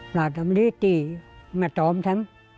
พระอาจารย์เรียกดีไม่ต้องทำ